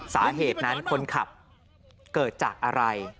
สาเหตุนั้นคนขับเกิดจากอะไร